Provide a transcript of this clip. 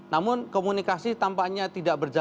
namun komunikasi tampaknya tidak berjalan